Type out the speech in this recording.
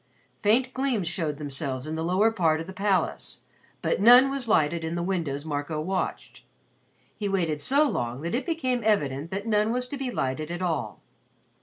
Faint gleams showed themselves in the lower part of the palace, but none was lighted in the windows Marco watched. He waited so long that it became evident that none was to be lighted at all.